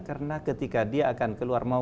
karena ketika dia akan keluar